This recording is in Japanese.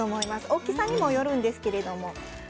大きさにもよるんですけれども。